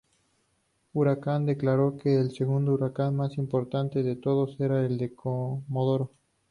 Huracán declaró que el segundo Huracán más importante de todos era el de Comodoro.